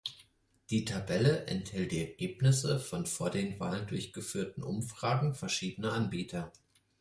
Die Tabelle enthält die Ergebnisse von vor den Wahlen durchgeführten Umfragen verschiedener Anbieter.